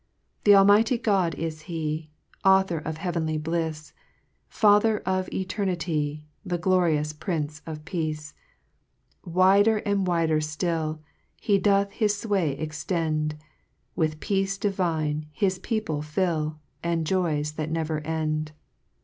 3 Th' Almighty God is he, Author of heavenly blifs, The Father of eternity, The glorious Prince of Peace ! Wider and wider dill He doth his fway extend, With peace divine, his people fill, And joys that never end.